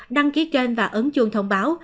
đăng ký kênh và ấn chuông thông báo